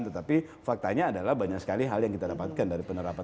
tetapi faktanya adalah banyak sekali hal yang kita dapatkan dari penerapan